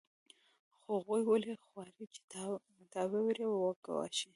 خو هغوی ولې غواړي چې تا وویروي او وګواښي